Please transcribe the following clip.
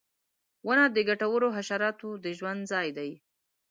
• ونه د ګټورو حشراتو د ژوند ځای دی.